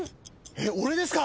えっ俺ですか！？